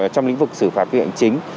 trong lĩnh vực xử phạt vi phạm hành chính